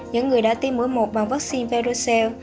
những người đã tiêm mũi một bằng vaccine verocell